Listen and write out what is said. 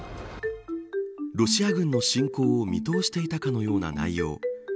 ロシア軍の侵攻を見通していたかのような内容。